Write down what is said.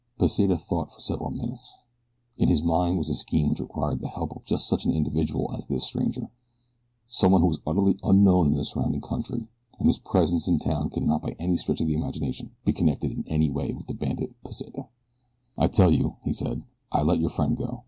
Pesita thought for several minutes. In his mind was a scheme which required the help of just such an individual as this stranger someone who was utterly unknown in the surrounding country and whose presence in a town could not by any stretch of the imagination be connected in any way with the bandit, Pesita. "I tell you," he said. "I let your friend go.